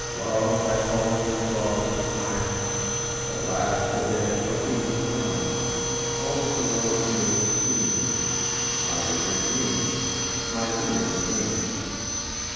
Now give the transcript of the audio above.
Love! I fall into the claws of Time: But lasts within a leavèd rhyme All that the world of me esteems My withered dreams, my withered dreams.